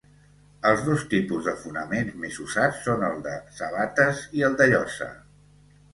Els dos tipus de fonaments més usats són el de sabates i el de llosa.